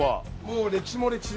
歴史も歴史。